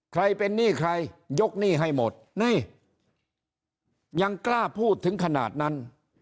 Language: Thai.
ใครเป็นหนี้ใครยกหนี้ให้หมดนี่ยังกล้าพูดถึงขนาดนั้น